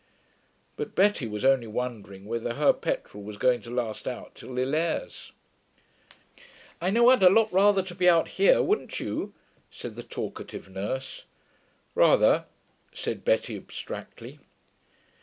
But Betty was only wondering whether her petrol was going to last out till Lillers. 'I know I'd a lot rather be out here, wouldn't you?' said the talkative nurse. 'Rather,' said Betty abstractedly.